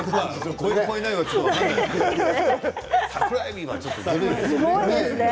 超える、超えないは分からないですけれどもね、桜えびはちょっとずるいですよね。